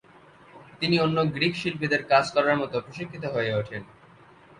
তিনি অন্য গ্রীক শিল্পীদের কাজ করার মতো প্রশিক্ষিত হয়ে ওঠেন।